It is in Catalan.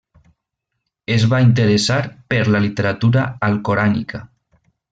Es va interessar per la literatura alcorànica.